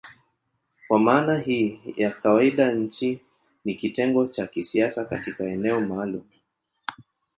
Kwa maana hii ya kawaida nchi ni kitengo cha kisiasa katika eneo maalumu.